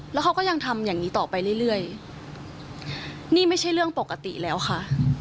แล้วเขาก็ยังทำอย่างงี้ต่อไปเรื่อยเรื่อยนี่ไม่ใช่เรื่องปกติแล้วค่ะ